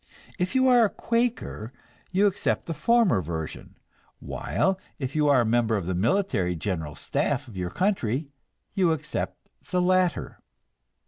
If you are a Quaker, you accept the former version, while if you are a member of the military general staff of your country you accept the latter.